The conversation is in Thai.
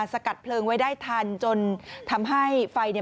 สกัดเพลิงไว้ได้ทันจนทำให้ไฟเนี่ย